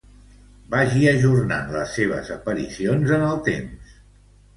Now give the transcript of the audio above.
Vagi ajornant les seves aparicions en el temps.